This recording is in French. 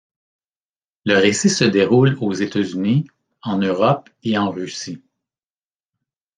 Le récit se déroule aux États-Unis, en Europe et en Russie.